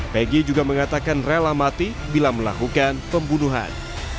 pg juga mengatakan rela mati bila melakukan pembunuhan